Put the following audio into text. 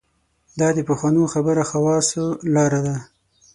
دا د پخوانو خبره خواصو لاره ده.